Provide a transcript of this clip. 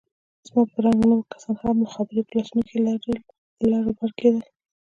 زما په رنګ نور کسان هم مخابرې په لاسو کښې لر بر کېدل.